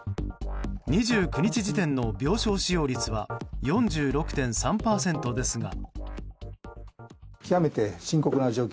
２９日時点の病床使用率は４６．３％ですが。